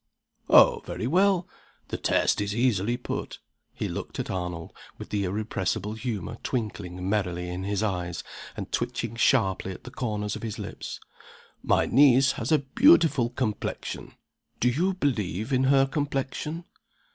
"Oh, very well. The test is easily put." He looked at Arnold, with the irrepressible humor twinkling merrily in his eyes, and twitching sharply at the corners of his lips. "My niece has a beautiful complexion. Do you believe in her complexion?"